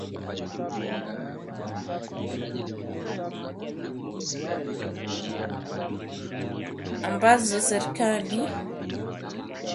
Ambazo serikali ya Rais Yoweri Museveni imedai ni kutokana na athari zinazoendelea za janga la korona kumi na tisa na vita nchini Ukraine